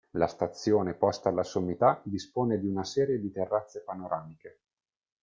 La stazione posta alla sommità dispone di una serie di terrazze panoramiche.